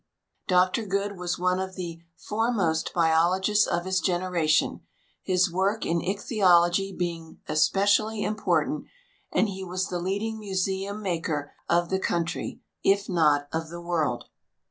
Dr Goode was one of the foremost biologists of his generation, his work in ichthyology being specially important, and he was the leading museum maker of the coun try, if not of the world.